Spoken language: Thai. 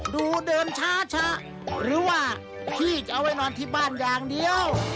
ดูเดินช้าชะหรือว่าพี่จะเอาไว้นอนที่บ้านอย่างเดียว